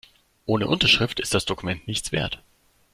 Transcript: Ohne Unterschrift ist das Dokument nichts wert.